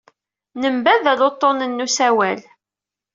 Nembaddal uḍḍunen n usawal.